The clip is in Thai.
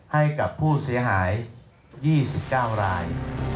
ให้กับผู้เสียหาย๒๙ราย